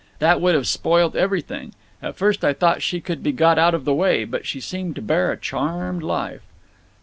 That would have spoilt everything. At first I thought she could be got out of the way, but she seemed to bear a charmed life."